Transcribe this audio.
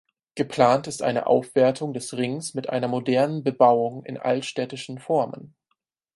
Geplant ist eine Aufwertung des Rings mit einer modernen Bebauung in altstädtischen Formen.